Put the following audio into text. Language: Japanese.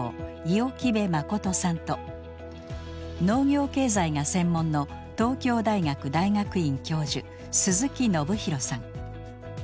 五百旗頭真さんと農業経済が専門の東京大学大学院教授鈴木宣弘さん。